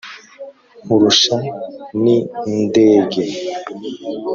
nkurusha n'indege,